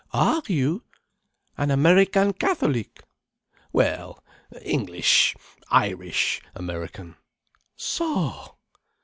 Are you? An American Catholic?" "Well—English—Irish—American." "So!"